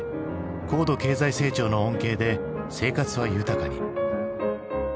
高度経済成長の恩恵で生活は豊かに。